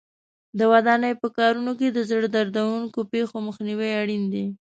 د ودانۍ په کارونو کې د زړه دردوونکو پېښو مخنیوی اړین دی.